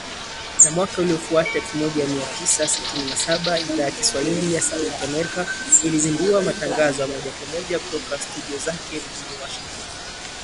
Na mwaka uliofuata, elfu moja mia tisa sitini na saba, Idhaa ya Kiswahili ya Sauti ya Amerika ilizindua matangazo ya moja kwa moja kutoka studio zake mjini Washington